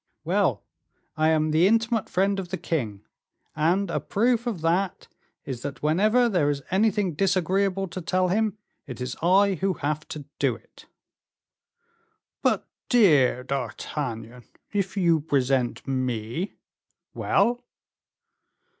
"Well, I am the intimate friend of the king; and a proof of that is, that whenever there is anything disagreeable to tell him, it is I who have to do it." "But, dear D'Artagnan, if you present me " "Well!"